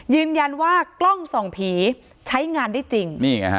ยืนยันว่ากล้องส่องผีใช้งานได้จริง